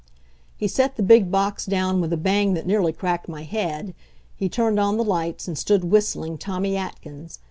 He set the big box down with a bang that nearly cracked my head. He turned on the lights, and stood whistling Tommy Atkins.